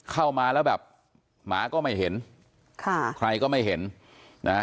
เข้ามาแล้วแบบหมาก็ไม่เห็นค่ะใครก็ไม่เห็นนะฮะ